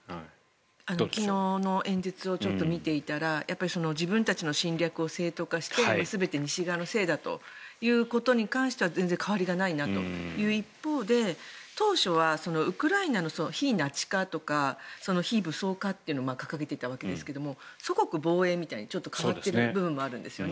昨日の演説をちょっと見ていたら自分たちの侵略を正当化して全て西側のせいだということに関しては全然変わりがないなという一方で当初はウクライナの非ナチ化とか非武装化というのを掲げていたわけですが祖国防衛みたいにちょっと変わっている部分もあるんですよね。